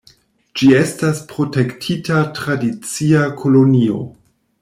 Ĝi estas protektita tradicia kolonio.